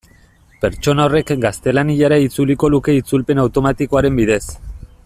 Pertsona horrek gaztelaniara itzuliko luke itzulpen automatikoaren bidez.